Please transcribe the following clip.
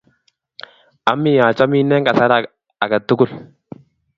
ami achamin eng' kasarat ang a tugul